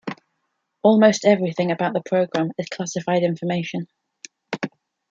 Almost everything about the program is classified information.